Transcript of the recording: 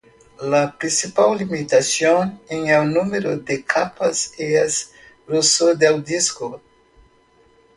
La principal limitación en el número de capas es el grosor del disco.